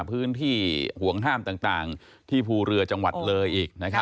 พื้นที่ห่วงห้ามต่างที่ภูเรือจังหวัดเลยอีก